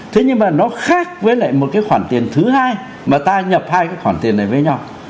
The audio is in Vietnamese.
thế nhưng mà nó khác với lại một cái khoản tiền thứ hai mà ta nhập hai cái khoản tiền này với nhau